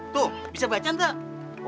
tuh bisa baca tuk